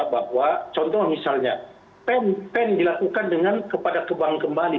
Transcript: bahwa contoh misalnya pen dilakukan dengan kepada kebang kembali